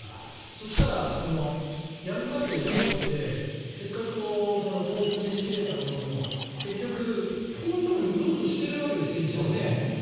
そしたら、闇バイトを雇ってせっかく盗品で仕入れたものも結局、こういうところで売ろうとしているわけですよね一応ね。